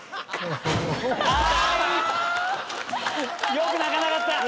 よく泣かなかった！